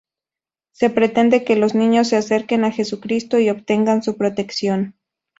Se pretende que los niños se acerquen a Jesucristo y obtengan su protección.